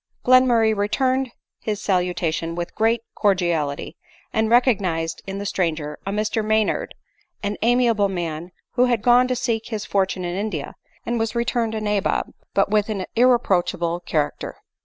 Glenmurray returned his salutation with great cordiality, and recognised in the stranger a Mr Maynard, an amiable man, who had gone to seek his fortune in India, and yvas returned a nabob, but with an irreproachable character.